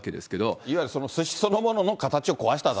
いわゆるすしそのものの形を壊したと。